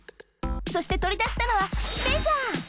そしてとりだしたのはメジャー！